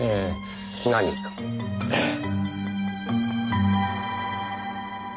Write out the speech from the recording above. ええ。